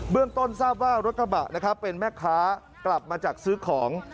เรื่องต้นทราบว่ารถกระบะนะครับเป็นแม่ค้ากลับมาจากซื้อของ